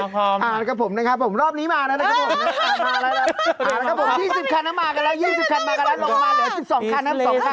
๒๐คันมากันแล้วลงมาเหลือ๑๒คันแล้ว๒คัน